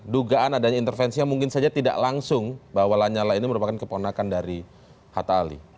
dugaan adanya intervensi yang mungkin saja tidak langsung bahwa lanyala ini merupakan keponakan dari hatta ali